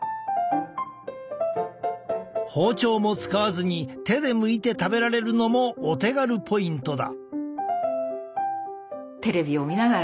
包丁も使わずに手でむいて食べられるのもお手軽ポイントだ。